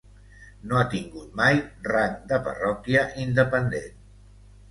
No ha tingut mai rang de parròquia independent.